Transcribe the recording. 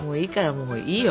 もういいよ。